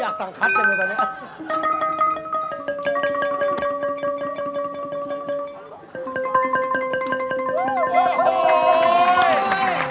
อยากสั่งคัทกันดูแบบเนี่ย